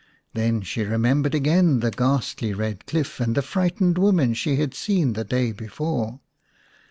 Then she remembered again the ghastly red cliff and the frightened women she had seen the day before.